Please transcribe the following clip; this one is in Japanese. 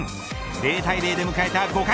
０対０で迎えた５回。